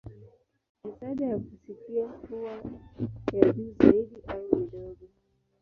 Misaada ya kusikia huwa ya juu zaidi au midogo.